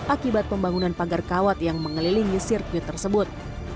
akibat pembangunan pagar kawat yang mengelilingi sirkuit tersebut